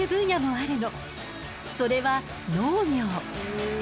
それは農業。